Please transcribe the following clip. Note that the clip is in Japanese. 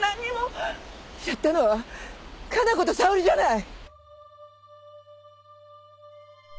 やったのは加奈子と沙織じゃない！